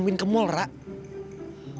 sekalian aku pengen beli make up